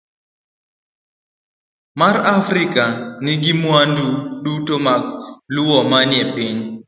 B. mar Afrika nigi mwandu duto mag lowo manie piny.